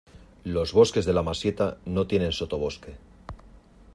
Los bosques de la Masieta no tienen sotobosque.